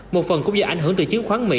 một phần cũng do ảnh hưởng từ chứng khoán mỹ